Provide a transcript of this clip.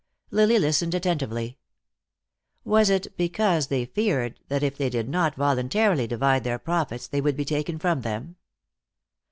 Lily listened attentively. Was it because they feared that if they did not voluntarily divide their profits they would be taken from them?